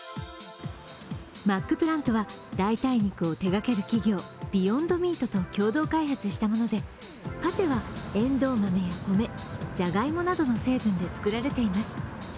マックプラントは代替肉を手がける企業、ビヨンドミートと共同開発したもので、パテはえんどう豆や米、じゃがいもなどの成分で作られています。